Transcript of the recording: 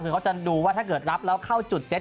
คือเขาจะดูว่าถ้าเกิดรับแล้วเข้าจุดเซ็ต